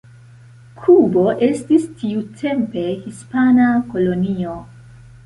Kubo estis tiutempe hispana kolonio.